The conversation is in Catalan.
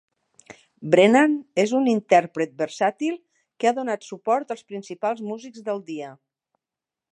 Brennan és un intèrpret versàtil que ha donat suport als principals músics del dia.